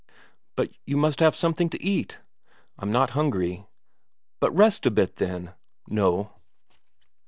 "But you must have something to eat." "I'm not hungry." "But rest a bit, then?" "No."